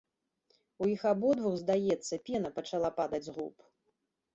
У іх абодвух, здаецца, пена пачала падаць з губ.